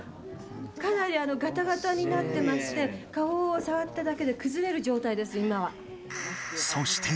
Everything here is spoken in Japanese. かなりガタガタになってまして、顔を触っただけで崩れる状態です、今は。